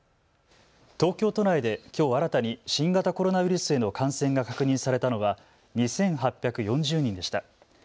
東京都内できょう新たに新型コロナウイルスへの感染が確認されたのは２８４０人でした。